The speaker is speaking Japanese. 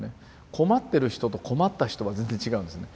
「困ってる人」と「困った人」は全然違うんですね。